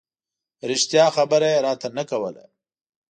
رښتیا خبره یې راته نه کوله.